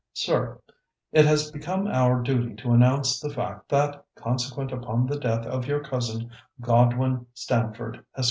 "SIR,—It has become our duty to announce the fact that, consequent upon the death of your cousin, Godwin Stamford, Esq.